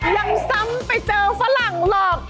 ยังซ้ำไปเจอฝรั่งหรอก